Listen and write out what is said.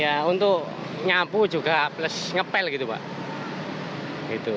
ya untuk nyapu juga plus ngepel gitu pak